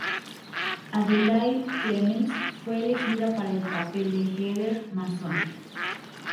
Adelaide Clemens fue elegida para el papel de Heather Mason.